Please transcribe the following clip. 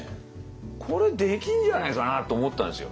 「これできんじゃねえかな」と思ったんですよ。